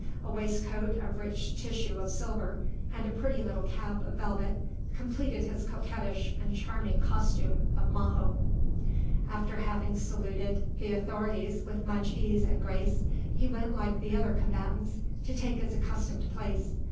A waistcoat of rich tissue of silver and a pretty little cap of velvet completed his coquettish and charming costume of majo. After having saluted the authorities with much ease and grace, he went like the other combatants to take his accustomed place.